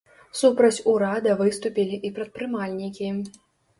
Супраць урада выступілі і прадпрымальнікі.